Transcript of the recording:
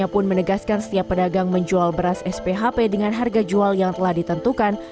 pun menegaskan setiap pedagang menjual beras sphp dengan harga jual yang telah ditentukan